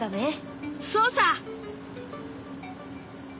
そうさ。